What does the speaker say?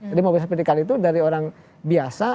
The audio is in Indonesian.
jadi mobilitas spetikal itu dari orang biasa